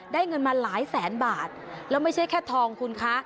เงินมาหลายแสนบาทแล้วไม่ใช่แค่ทองคุณคะ